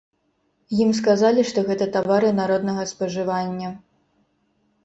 Ім сказалі, што гэта тавары народнага спажывання.